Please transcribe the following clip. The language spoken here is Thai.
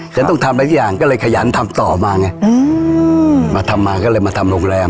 ฉันต้องทำอะไรทุกอย่างก็เลยขยันทำต่อมาไงอืมมาทำมาก็เลยมาทำโรงแรม